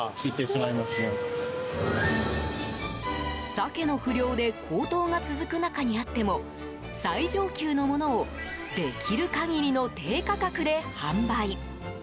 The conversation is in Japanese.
鮭の不漁で高騰が続く中にあっても最上級のものをできる限りの低価格で販売。